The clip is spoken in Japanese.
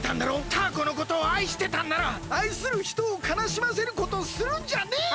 タアコのことをあいしてたんならあいするひとをかなしませることをするんじゃねえよ！